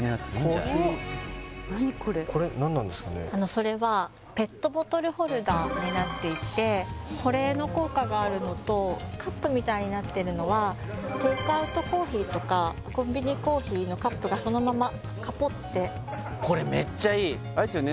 ・それはペットボトルホルダーになっていて保冷の効果があるのとカップみたいになってるのはテイクアウトコーヒーとかコンビニコーヒーのカップがそのままカポッてこれめっちゃいいあれですよね